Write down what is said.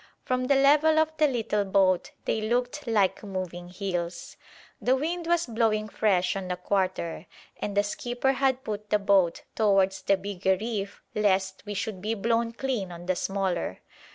From the level of the little boat they looked like moving hills. The wind was blowing fresh on the quarter, and the skipper had put the boat towards the bigger reef lest we should be blown clean on the smaller.